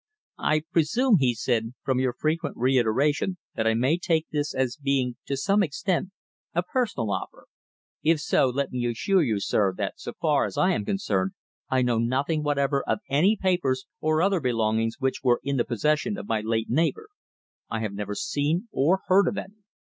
"I presume," he said, "from your frequent reiteration, that I may take this as being to some extent a personal offer. If so, let me assure you, sir, that so far as I am concerned I know nothing whatever of any papers or other belongings which were in the possession of my late neighbour. I have never seen or heard of any.